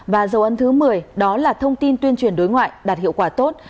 và dầu ân thứ mười đó là thông tin tuyên truyền đối ngoại đạt hiệu quả tốt